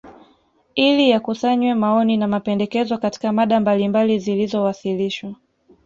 ili yakusanywe maoni na mapendekezo Katika mada mbalimbali zilizowasilishwa